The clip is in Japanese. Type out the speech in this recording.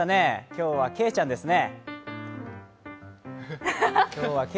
今日はけいちゃんですね。